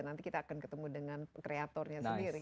nanti kita akan ketemu dengan kreatornya sendiri